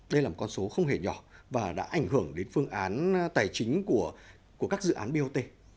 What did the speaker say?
đây là một con số không hề nhỏ và đã ảnh hưởng đến phương án tài chính của các dự án bot